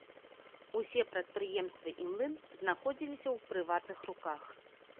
Усе прадпрыемствы і млын знаходзіліся ў прыватных руках.